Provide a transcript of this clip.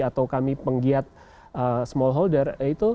atau kami penggiat smallholder